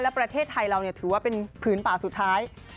และประเทศไทยเราถือว่าเป็นผืนป่าสุดท้าย